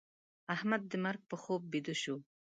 احمد د مرګ په خوب بيده شو.